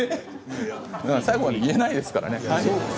最後は言えないですからね。